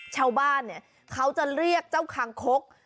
เช่าบ้านเขาจะเรียกเจ้าคางคก